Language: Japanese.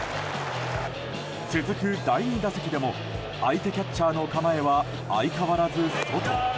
続く第２打席でも相手キャッチャーの構えは相変わらず、外。